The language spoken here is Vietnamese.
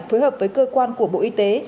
phối hợp với cơ quan của bộ y tế